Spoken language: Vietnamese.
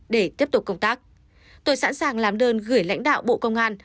để tiếp tục công tác tôi sẵn sàng làm đơn gửi lãnh đạo bộ công an